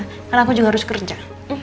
karena aku juga harus kerja